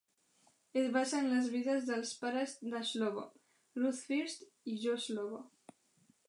Es basa en les vides dels pares de Slovo, Ruth First i Joe Slovo.